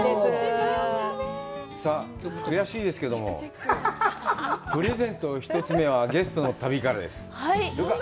さあ、悔しいですけども、プレゼントの一つ目はゲストの旅からです。